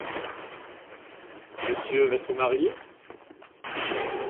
Monsieur va se marier ?